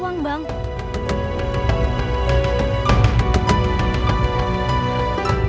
harga ini lebih murahan